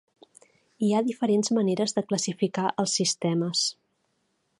Hi ha diferents maneres de classificar els sistemes.